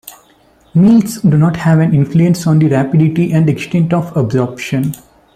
Meals do not have an influence on the rapidity and extent of absorption.